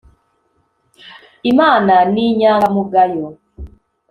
imana ni inyangamugayo